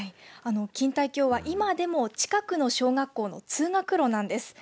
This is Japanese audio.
錦帯橋は今でも近くの小学校の通学路なんです。